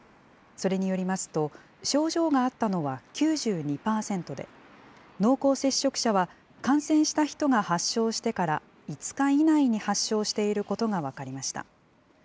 それによりますと、症状があったのは９２％で、濃厚接触者は感染した人が発症してから５日以内に発症していることが分かりました。